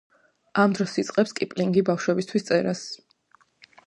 ამ დროს იწყებს კიპლინგი ბავშვებისთვის წერას.